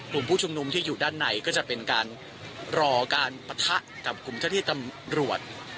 กลุ่มผู้ชุมนุมที่อยู่ด้านในก็จะเป็นการรอการปะทะกับกลุ่มเจ้าที่ตำรวจ